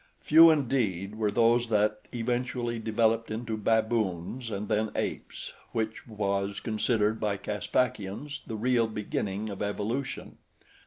Few indeed were those that eventually developed into baboons and then apes, which was considered by Caspakians the real beginning of evolution.